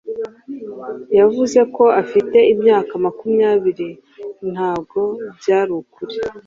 Yavuze ko afite imyaka makumyabiri, ntabwo byari ukuri.